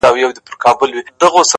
زه چـي په باندي دعوه وكړم ـ